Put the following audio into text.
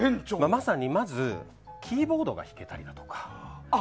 まさに、まずキーボードが弾けるとか。